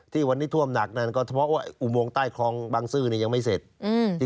ที่วันนี้ท่วมหนักนั่นก็เพราะว่าอุโมงใต้คลองบางซื่อเนี่ยยังไม่เสร็จ